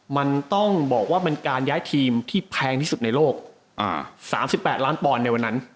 มันต้องบอกว่าเป็นการย้ายทีมที่แพงที่สุดในโลก๓๘ล้านปอนด์ในวันนั้น